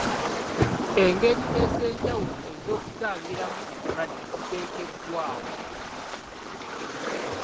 Engeri ez'enjawulo ez'okutangiramu obulwadde ziteekeddwawo.